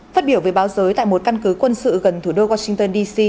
phát biểu về báo giới tại một căn cứ quân sự gần thủ đô washington dc